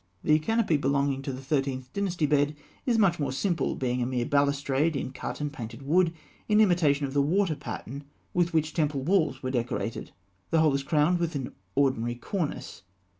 The canopy belonging to the Thirteenth Dynasty bed is much more simple, being a mere balustrade in cut and painted wood, in imitation of the water plant pattern with which temple walls were decorated; the whole is crowned with an ordinary cornice.